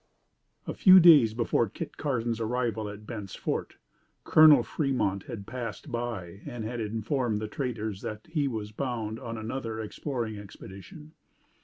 A few days before Kit Carson's arrival at Bent's Fort, Col. Fremont had passed by and had informed the Traders there that he was bound on another Exploring Expedition.